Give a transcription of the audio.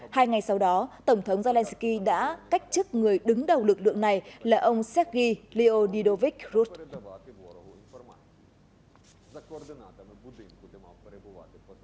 hai ngày sau đó tổng thống zelensky đã cách chức người đứng đầu lực lượng này là ông sergei leonidovich ruth